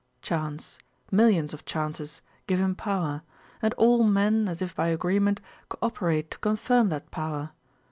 Chance, millions of chances, give him power, and all men as if by agreement co operate to confirm that power.